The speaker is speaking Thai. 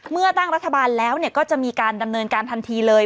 เมื่อตั้งรัฐบาลแล้วก็จะมีการดำเนินการทันทีเลย